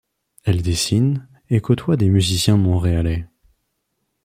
Elle dessine, et côtoie des musiciens montréalais.